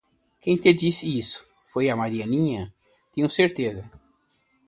Quem te disse isso? Foi a Marianinha, tenho certeza.